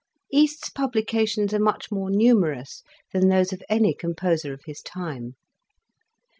Este's publications are much more numerous than those of any composer of his time.